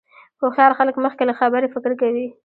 هوښیار خلک مخکې له خبرې فکر کوي.